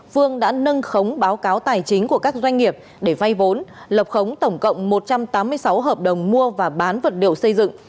phương đã nâng khống báo cáo tài chính của các doanh nghiệp để vay vốn lập khống tổng cộng một trăm tám mươi sáu hợp đồng mua và bán vật liệu xây dựng